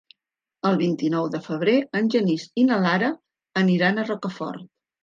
El vint-i-nou de febrer en Genís i na Lara aniran a Rocafort.